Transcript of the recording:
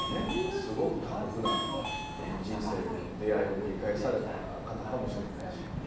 すごく過酷な人生の出会いを繰り返された方かもしれないしま